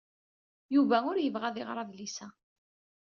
Yuba ur yebɣi ad iɣer adlis-a.